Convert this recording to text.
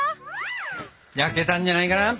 焼けたんじゃないかな？